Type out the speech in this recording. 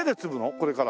これから。